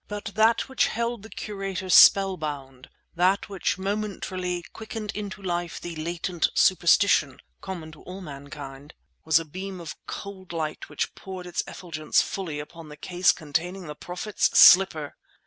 But that which held the curator spell bound—that which momentarily quickened into life the latent superstition, common to all mankind, was a beam of cold light which poured its effulgence fully upon the case containing the Prophet's slipper!